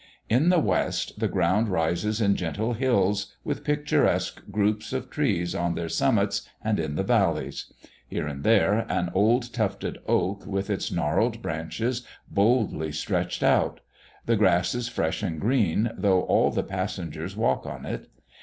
In the west, the ground rises in gentle hills with picturesque groups of trees on their summits and in the valleys; here and there an old tufted oak, with its gnarled branches boldly stretched out; the grass is fresh and green, though all the passengers walk on it.